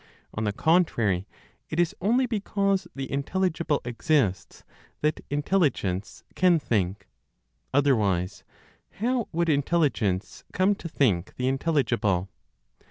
On the contrary, it is only because the intelligible exists, that Intelligence can think. Otherwise, how would Intelligence come to think the intelligible?